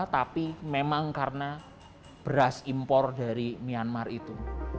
tapi memang karena beras impor dari myanmar itu